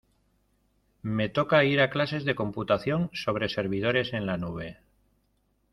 Me toca ir a clases de computación sobre servidores en la nube